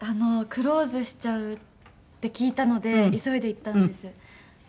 クローズしちゃうって聞いたので急いで行ったんですよ。